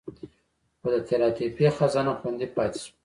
خو د طلا تپه خزانه خوندي پاتې شوه